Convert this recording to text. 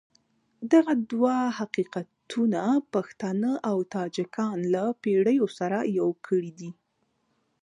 دغه دوه حقیقتونه پښتانه او تاجکان له پېړیو سره يو کړي دي.